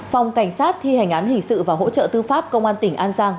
phòng cảnh sát thi hành án hình sự và hỗ trợ tư pháp công an tỉnh an giang